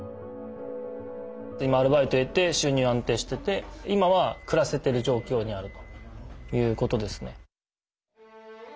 今アルバイト得て収入安定してて今は暮らせてる状況にあるということですね。